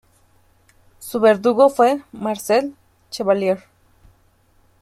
Su verdugo fue Marcel Chevalier.